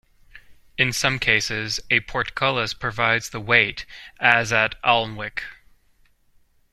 In some cases, a portcullis provides the weight, as at Alnwick.